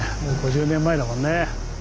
もう５０年前だもんね。